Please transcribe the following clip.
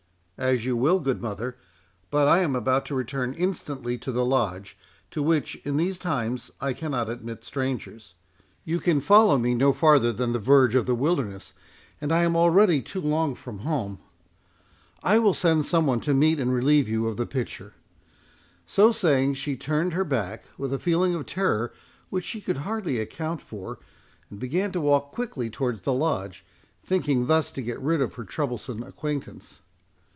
"As you will, good mother; but I am about to return instantly to the Lodge, to which, in these times, I cannot admit strangers. You can follow me no farther than the verge of the wilderness, and I am already too long from home: I will send some one to meet and relieve you of the pitcher." So saying, she turned her back, with a feeling of terror which she could hardly account for, and began to walk quickly towards the Lodge, thinking thus to get rid of her troublesome acquaintance.